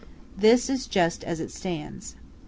This is just as it stands.